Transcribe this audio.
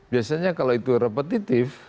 biasanya kalau itu repetitif